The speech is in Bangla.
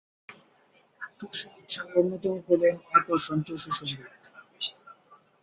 টুসু উৎসবের অন্যতম প্রধান আকর্ষণ টুসু সংগীত।